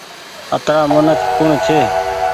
اترآ منک ڪوڻ ڇي۔